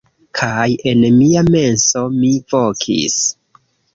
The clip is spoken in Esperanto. Kaj en mia menso, mi vokis: